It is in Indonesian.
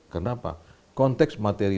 kenapa konteks materi